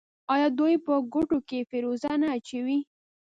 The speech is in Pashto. آیا دوی په ګوتو کې فیروزه نه اچوي؟